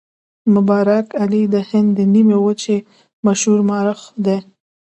مبارک علي د هند د نیمې وچې مشهور مورخ دی.